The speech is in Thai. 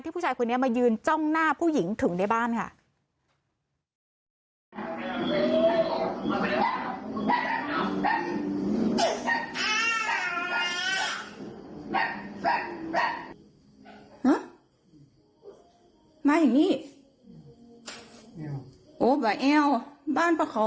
ผู้ชายคนนี้มายืนจ้องหน้าผู้หญิงถึงในบ้านค่ะ